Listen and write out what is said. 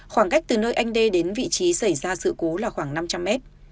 khoảng cách từ nơi anh đê đến vị trí xảy ra sự cố là khoảng năm trăm linh mét